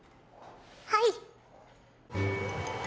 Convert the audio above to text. はい！